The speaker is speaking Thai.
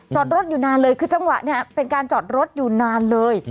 จอดรถอยู่นานเลยคือจังหวะเนี่ยเป็นการจอดรถอยู่นานเลย